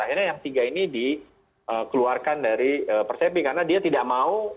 akhirnya yang tiga ini dikeluarkan dari persepi karena dia tidak mau